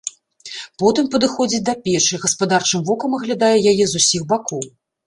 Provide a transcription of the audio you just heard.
Потым падыходзіць да печы, гаспадарчым вокам аглядае яе з усіх бакоў.